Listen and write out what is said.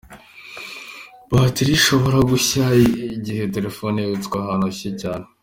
Batiri ishobora gushya igihe telefone yabitswe ahantu hashyushye cyane.